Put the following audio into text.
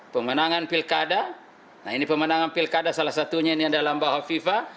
pemenangan pilkada nah ini pemenangan pilkada salah satunya ini adalah mbak hovifah